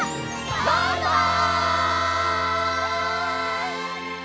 バイバイ！